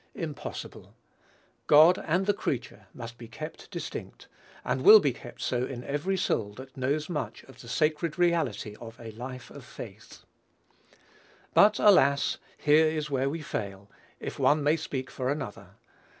Impossible: God and the creature must be kept distinct, and will be kept so in every soul that knows much of the sacred reality of a life of faith. But, alas! here is where we fail, if one may speak for another.